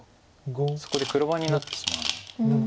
そこで黒番になってしまう。